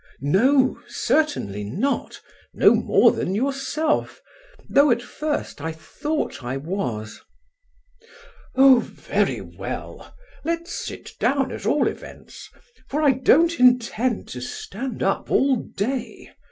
"No, certainly not, no more than yourself, though at first I thought I was." "Oh, very well, let's sit down, at all events, for I don't intend to stand up all day.